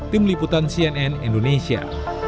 tim liputan cnn indonesia